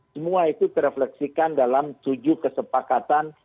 semua itu terefleksikan dalam tujuh kesepakatan